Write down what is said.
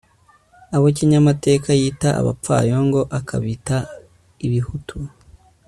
abo kinyamateka yita abapfayongo, akabita ibihutu